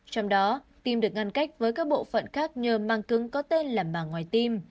trong đó tem được ngăn cách với các bộ phận khác nhờ mang cứng có tên là bàng ngoài tim